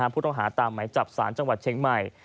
ผู้ต้องหาตามไหมจับสารจังหวัดเชียงใหม่